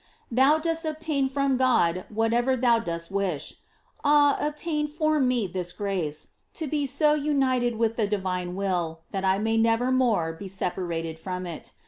Thou dost obtain from God whatever thou dost wish; ah, obtain for me this grace, to be so united with the di vine will that I may never more be separated from it.